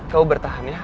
kamu bertahan ya